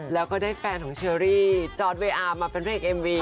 แล้วก็ได้แฟนของเชอรี่จอร์ดเวอาร์มาเป็นพระเอกเอ็มวี